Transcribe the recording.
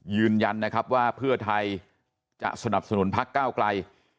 ยืนยันนะครับว่าเพื่อไทยจะสนับสนุนพักก้าวไกล